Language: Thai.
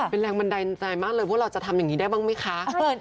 เป็นแรงบันไดสัยมากเลยเพราะว่าเราจะทำอย่างนี้แบบนี้ได้มั้งไหมคะ